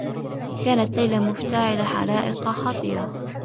كانت ليلى مفتعلة حرائق خطيرة.